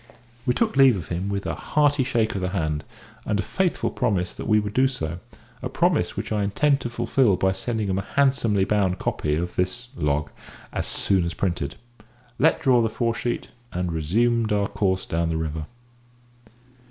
We took leave of him with a hearty shake of the hand, and a faithful promise that we would do so (a promise which I intend to fulfil by sending him a handsomely bound copy of this "log" as soon as printed); let draw the fore sheet, and resumed our course down the river.